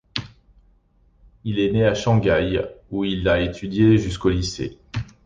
Il est né à Shanghai, où il a étudié jusqu'au lycée.